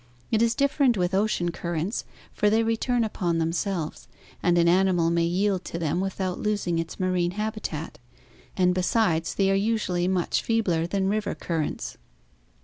It is different with ocean currents, for they re turn upon themselves and an animal may yield to them without losing its marine habitat; and besides, they are usually much feebler than river currents.